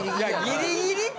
ギリギリって。